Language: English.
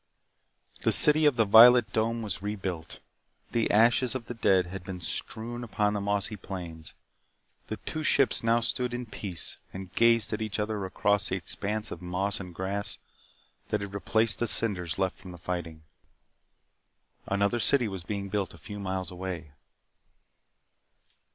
The city of the violet dome was rebuilt. The ashes of the dead had been strewn upon the mossy plains. The two ships now stood in peace and gazed at each other across the expanse of moss and grass that had replaced the cinders left from the fighting. Another city was being built a few miles away.